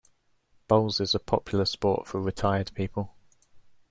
Bowls is a popular sport for retired people